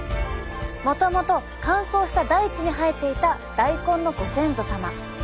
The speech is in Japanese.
もともと乾燥した大地に生えていた大根のご先祖様。